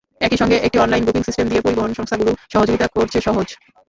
একই সঙ্গে একটি অনলাইন বুকিং সিস্টেম দিয়ে পরিবহন সংস্থাগুলোকেও সহযোগিতা করছে সহজ।